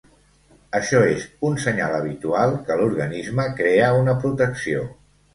Això és un senyal habitual que l’organisme crea una protecció.